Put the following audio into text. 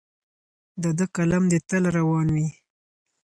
د ده قلم دې تل روان وي.